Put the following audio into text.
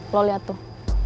lo liat tuh